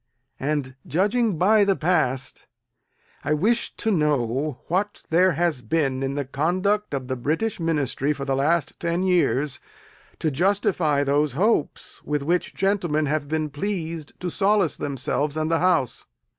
And judging by the past, I wish to know what there has been in the conduct of the British Ministry for the last ten years to justify those hopes with which gentlemen have been pleased to solace themselves and the House?